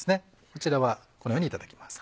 こちらはこのようにいただきます。